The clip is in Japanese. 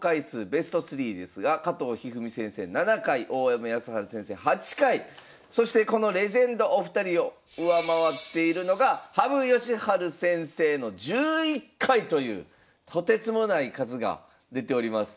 ベスト３ですが加藤一二三先生７回大山康晴先生８回そしてこのレジェンドお二人を上回っているのが羽生善治先生の１１回というとてつもない数が出ております。